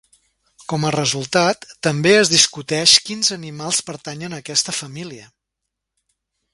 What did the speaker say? Com a resultat, també es discuteix quins animals pertanyen a aquesta família.